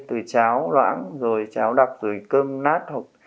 từ cháo loãng rồi cháo đặc rồi cơm nát